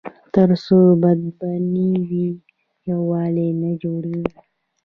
تر څو بدبیني وي، یووالی نه جوړېږي.